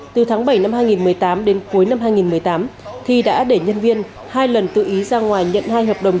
từ tháng bảy năm hai nghìn một mươi tám đến cuối năm hai nghìn một mươi tám thi đã để nhân viên hai lần tự ý ra ngoài nhận hai hợp đồng